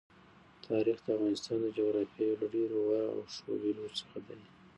تاریخ د افغانستان د جغرافیې یو له ډېرو غوره او ښو بېلګو څخه دی.